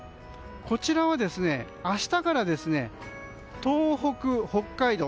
こちらも明日から東北、北海道